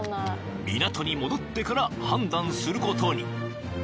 ［港に戻ってから判断することに］